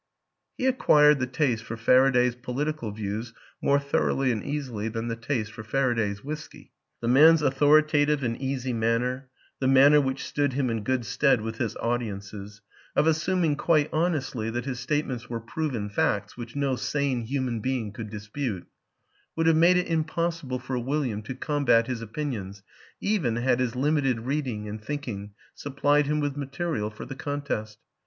He acquired the taste for Faraday's political views more thoroughly and easily than the taste for Faraday's whisky. The man's authoritative and easy manner, the manner which stood him in good stead with his audiences, of assuming (quite honestly) that his statements were proven facts which no sane human being could dispute, would have made it impossible for William to combat his opinions even had his limited reading and thinking supplied him with material for the con test.